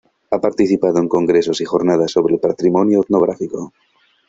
Ha participado en congresos y jornadas sobre el patrimonio etnográfico.